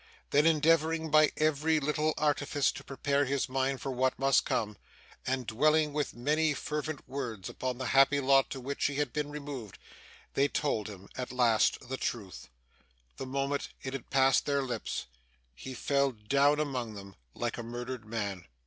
Then endeavouring by every little artifice to prepare his mind for what must come, and dwelling with many fervent words upon the happy lot to which she had been removed, they told him, at last, the truth. The moment it had passed their lips, he fell down among them like a murdered man.